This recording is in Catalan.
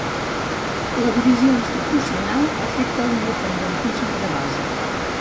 La divisió institucional afecta l'independentisme de base.